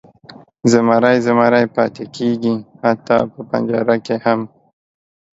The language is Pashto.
زمری زمری پاتې کیږي، حتی په پنجره کې هم.